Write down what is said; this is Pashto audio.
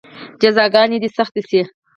جزاګانې دې سختې شي.